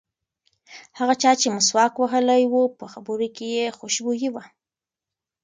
هغه چا چې مسواک وهلی و په خبرو کې یې خوشبويي وه.